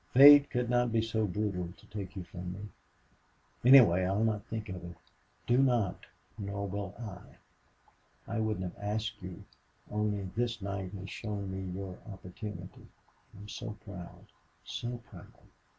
"Fate could not be so brutal to take you from me. Anyway, I'll not think of it." "Do not. Nor will I... I wouldn't have asked you only this night has shown me your opportunity. I'm so proud so proud.